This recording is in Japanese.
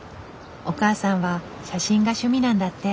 お母さんは写真が趣味なんだって。